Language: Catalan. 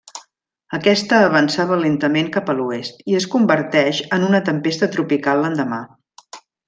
Aquesta avançava lentament cap a l'oest, i es converteix en una tempesta tropical l'endemà.